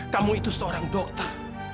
kamu itu seorang dokter